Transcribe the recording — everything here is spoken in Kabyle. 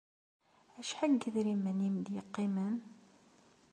Acḥal n yedrimen i am-d-yeqqimen?